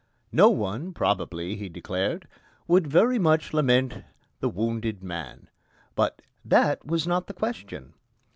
No one, probably, he declared, would very much lament the wounded man, but "that was not the question."